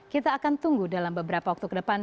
kita akan tunggu dalam beberapa waktu ke depan